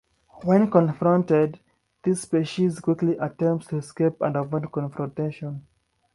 When confronted, this species quickly attempts to escape and avoid confrontation.